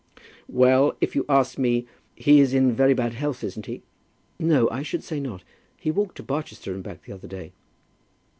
"Well; if you ask me, He is in very bad health, isn't he?" "No; I should say not. He walked to Barchester and back the other day."